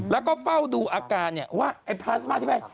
แล้วก็เป้าดูอาการว่าพลาสมาที่เป็น